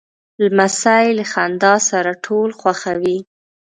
لمسی له خندا سره ټول خوښوي.